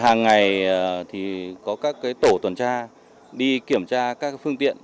hàng ngày thì có các tổ tuần tra đi kiểm tra các phương tiện